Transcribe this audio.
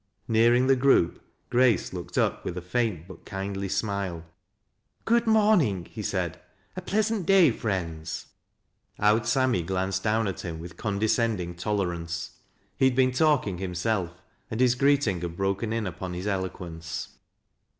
Nearing the group, Grace looked up with a faint but kindly smile. " Good morning 1 " he said ;" a pleasant day, frieads I *" Owd Sammy " glanced down at him with condescend ing tolerance. He had been talking himself, and tbo greet ing had broken in upon his eloquence.